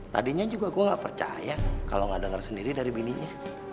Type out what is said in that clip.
tadinya juga gue gak percaya kalo gak denger sendiri dari bininya